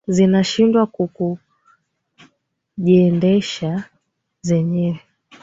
zinashindwa ku ku kujiendesha zenyewe